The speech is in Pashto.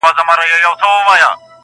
له حملو د غلیمانو له ستمه،